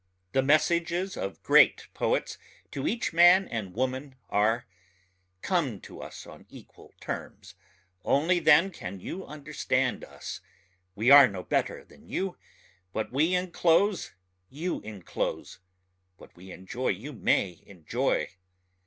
The messages of great poets to each man and woman are, Come to us on equal terms, Only then can you understand us, We are no better than you, What we enclose you enclose, What we enjoy you may enjoy.